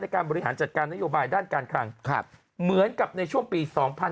การบริหารจัดการนโยบายด้านการคลังเหมือนกับในช่วงปี๒๕๕๙